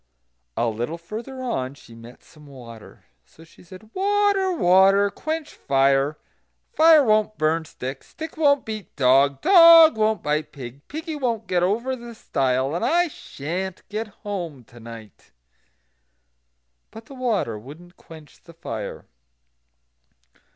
A little further on she met some water. So she said: "Water! water! quench fire; fire won't burn stick; stick won't beat dog; dog won't bite pig; piggy won't get over the stile; and I sha'n't get home to night." But the water wouldn't quench the fire.